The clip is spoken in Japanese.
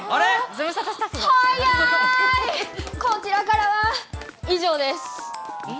こちらからは以上です。